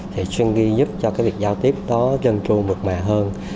thì stringy giúp cho cái việc giao tiếp đó dân tru mực mẹ hơn